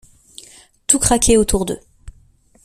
Tout craquait autour d’eux.